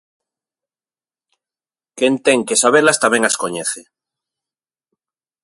Quen ten que sabelas tamén as coñece.